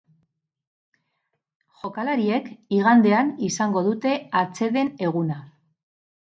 Jokalariek igandean izango dute atseden eguna.